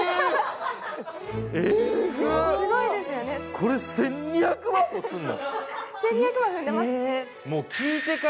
これ１２００万もするの？